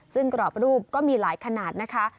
ซึ่งกรอบรูปก็มีหลายขนาดนะคะ